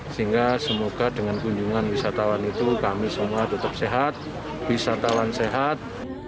sehingga semoga dengan kunjungan wisatawan itu kami semua tetap sehat wisatawan sehat